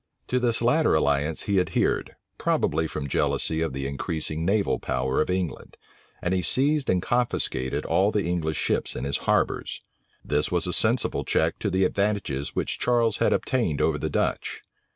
To this latter alliance he adhered, probably from jealousy of the increasing naval power of England; and he seized and confiscated all the English ships in his harbors. This was a sensible check to the advantages which Charles had obtained over the Dutch.